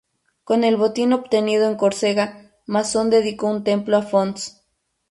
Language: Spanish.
Con el botín obtenido en Córcega, Masón dedicó un templo a Fons.